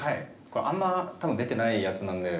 これあんま多分出てないやつなんで。